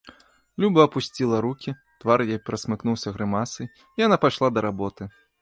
Люба апусціла рукі, твар яе перасмыкнуўся грымасай, і яна пайшла да работы.